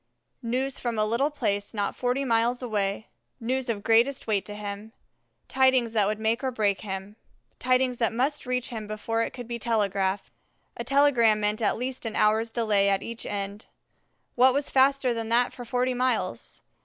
News from a little place not forty miles away news of greatest weight to him, tidings that would make or break him, tidings that must reach him before it could be telegraphed: a telegram meant at least an hour's delay at each end. What was faster than that for forty miles?